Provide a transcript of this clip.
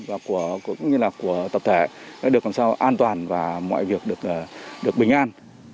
và cũng như là của tập thể đã được làm sao an toàn và mọi việc được bình an